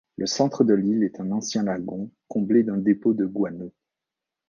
Le centre de l'île est un ancien lagon comblé d'un dépôt de guano.